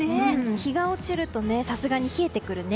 日が落ちるとさすがに冷えてくるね。